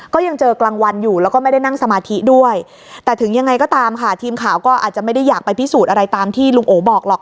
ก็ยังเจอกลางวันอยู่แล้วก็ไม่ได้นั่งสมาธิด้วยแต่ถึงยังไงก็ตามค่ะทีมข่าวก็อาจจะไม่ได้อยากไปพิสูจน์อะไรตามที่ลุงโอบอกหรอก